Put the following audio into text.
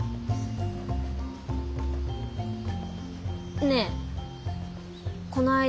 ねぇこの間